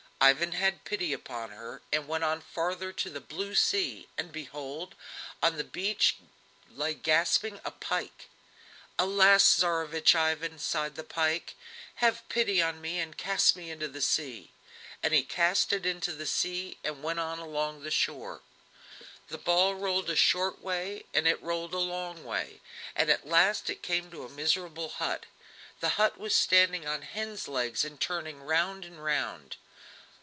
Ivan had pity upon her, and went on farther to the blue sea, and behold! on the beach lay gasping a pike. "Alas! Tsarevich Ivan!" sighed the pike, "have pity on me and cast me into the sea." And he cast it into the sea, and went on along the shore. The ball rolled a short way, and it rolled a long way, and at last it came to a miserable hut; the hut was standing on hen's legs and turning round and round.